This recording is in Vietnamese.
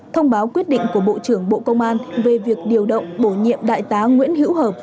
thông báo quyết định của bộ trưởng bộ công an về việc điều động bổ nhiệm đại tá nguyễn hữu hợp